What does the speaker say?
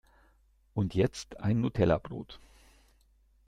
Und jetzt ein Nutellabrot!